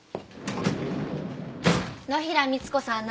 野平みつ子さん